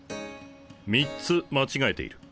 ３つ間違えている。